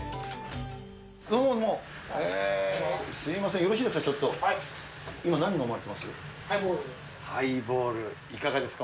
どうも、すみません、よろしいですか？